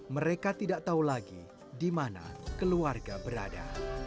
mereka tidak tahu lagi di mana keluarga berada